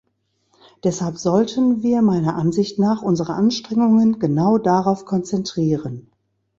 Deshalb sollten wir meiner Ansicht nach unsere Anstrengungen genau darauf konzentrieren.